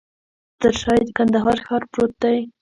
تر شاه یې د کندهار ښار پروت دی.